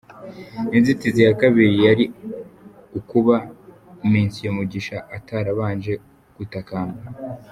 Inzitizi ya kabiri yari ukuba Me Mugisha atarabanje gutakamba.